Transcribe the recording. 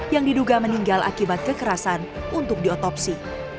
yang diduga meninggal akibat kekerasan untuk diotopsi